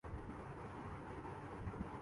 انہیں قومی ٹیم کی قیادت سونپنے کا فیصلہ کیا گیا۔